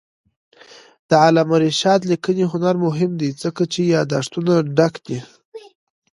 د علامه رشاد لیکنی هنر مهم دی ځکه چې یادښتونه ډک دي.